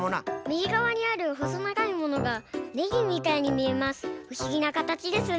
みぎがわにあるほそながいものがねぎみたいにみえます。